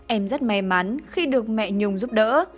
em rất may mắn khi được mẹ nhùng giúp đỡ